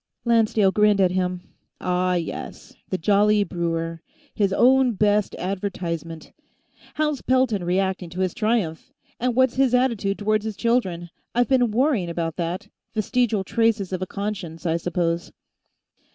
Lancedale grinned at him. "Ah, yes, the jolly brewer. His own best advertisement. How's Pelton reacting to his triumph? And what's his attitude toward his children? I've been worrying about that; vestigial traces of a conscience, I suppose."